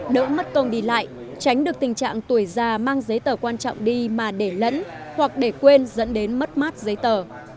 đỡ mất công đi lại tránh được tình trạng tuổi già mang giấy tờ quan trọng đi mà để lẫn hoặc để quên dẫn đến mất mát giấy tờ